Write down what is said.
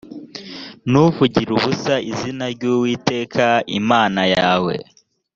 ntukavugire ubusa izina ry uwiteka imana yawe.